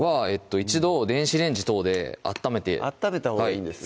一度電子レンジ等で温めて温めたほうがいいんですね